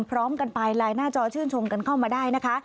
พร้อมกันไปไลน์หน้าจอชื่นชมกันเข้ามาได้นะคะ